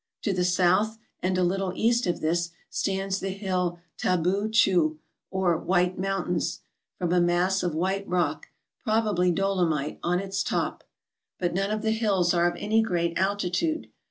To the south, and a little east of this, stands the hill Tabu Cheu, or "White Mountains," from a mass of white rock, probably dolomite, on its top. But none of the hills are of any great altitude.